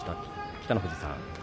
北の富士さん